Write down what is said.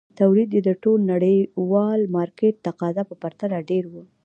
تولید یې د ټول نړیوال مارکېټ تقاضا په پرتله ډېر وو.